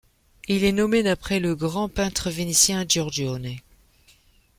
Il est nommé d'après le grand peintre vénitien Giorgione.